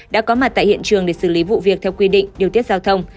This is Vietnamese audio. đã có mặt tại hiện trường để xử lý vụ việc theo quy định điều tiết giao thông